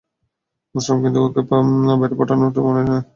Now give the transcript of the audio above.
বুঝলাম, কিন্তু ওকে বাইরে পাঠানোটা মনে সায় দিচ্ছে না।